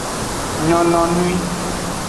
Nyononwi.